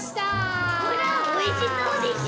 ほらおいしそうでしょ？